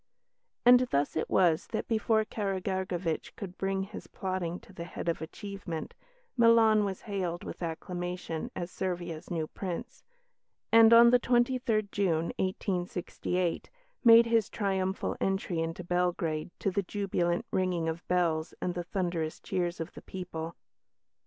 And thus it was that, before Karageorgevitch could bring his plotting to the head of achievement, Milan was hailed with acclamation as Servia's new Prince, and, on the 23rd June, 1868, made his triumphal entry into Belgrade to the jubilant ringing of bells and the thunderous cheers of the people.